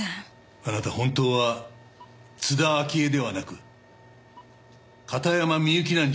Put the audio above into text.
あなた本当は津田明江ではなく片山みゆきなんじゃありませんか？